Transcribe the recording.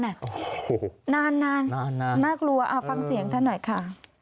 โอ้โหนานนานน่ากลัวฟังเสียงท่านหน่อยค่ะ